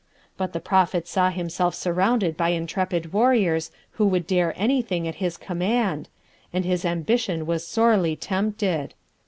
But the Prophet saw himself surrounded by intrepid warriors who would dare anything at his command, and his ambition was sorely tempted.